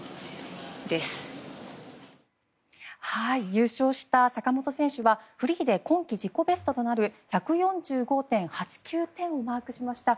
優勝した坂本選手はフリーで今季自己ベストとなる１４５．８９点をマークしました。